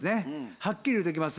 はっきり言うときます。